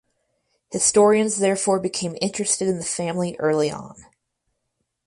Historians therefore became interested in the family early on.